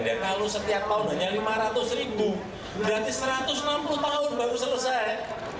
kalau setiap tahun hanya lima ratus ribu berarti satu ratus enam puluh tahun baru selesai